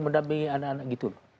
mendampingi anak anak gitu